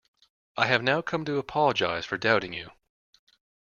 I have now come to apologize for doubting you.